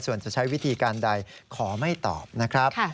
ส่วนจะใช้วิธีการใดขอไม่ตอบนะครับ